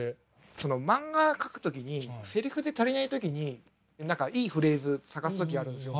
その漫画描く時にセリフで足りない時に何かいいフレーズ探す時あるんですよ。